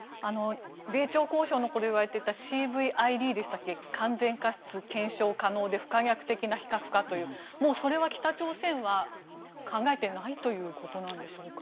米中交渉の頃に言われていたＣＶＩＤでしたっけ完全かつ検証可能で不可逆的な非核化というそれは北朝鮮は考えてないということなんでしょうか。